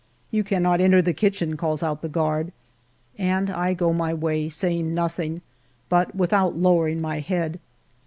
" You cannot enter the kitchen," calls out the guard. And I go my way, saying nothing, but without lowering my head.